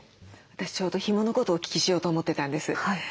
私ちょうどひものことをお聞きしようと思ってたんです。